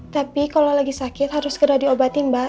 tapi kalau lagi sakit harus kena diobatin mbak